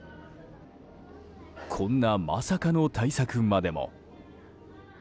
こんな、まさかの対策までも。